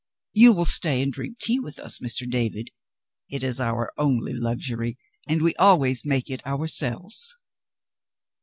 You will stay and drink tea with us, Mr. David? It is our only luxury, and we always make it ourselves."